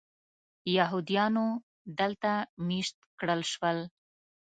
یهودیانو دلته مېشت کړل شول.